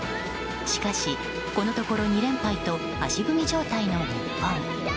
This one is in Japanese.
しかし、このところ２連敗と足踏み状態の日本。